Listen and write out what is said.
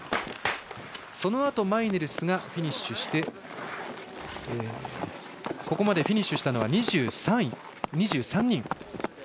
そのあとマイネルスがフィニッシュしてここまでフィニッシュしたのは２３人です。